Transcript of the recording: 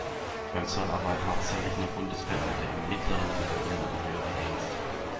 Beim Zoll arbeiten hauptsächlich nur Bundesbeamte im mittleren, gehobenen oder höheren Dienst.